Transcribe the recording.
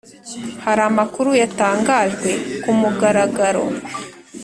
hari amakuru yatangajwe ku mugaragaro